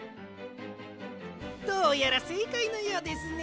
どうやらせいかいのようですね。